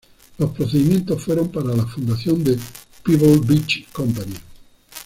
Los procedimientos fueron para la fundación de Pebble Beach Company.